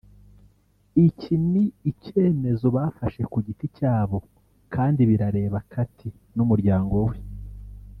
“Iki ni icyemezo bafashe ku giti cyabo kandi birareba Katie n’umuryango we